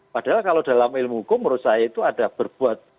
padahal kalau dalam ilmu hukum menurut saya itu ada berbuat